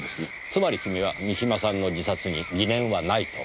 つまり君は三島さんの自殺に疑念はないと。